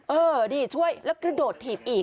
เออดิช่วยกะโดดทีบอีก